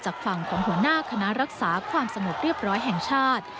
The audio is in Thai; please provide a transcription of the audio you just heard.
จากฝั่งของหัวหน้าคณะรักษาความสงบเรียบร้อยแห่งชาติ